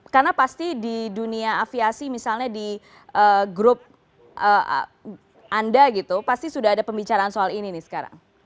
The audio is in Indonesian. karena pasti di dunia aviasi misalnya di grup anda gitu pasti sudah ada pembicaraan soal ini nih sekarang